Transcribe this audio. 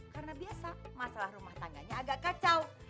karena biasa masalah rumah tangganya agak kacau